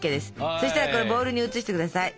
そしたらこれボールに移して下さい。